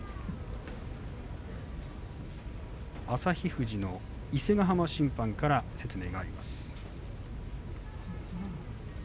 旭富士の伊勢ヶ濱審判から説明があります。